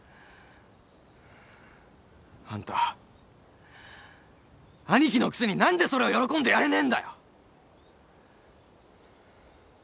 あんたアニキのくせに何でそれを喜んでやれねえんだよ！